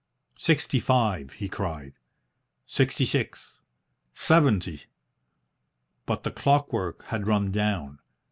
"Sixty five," he cried. "Sixty six." "Seventy." But the clockwork had run down.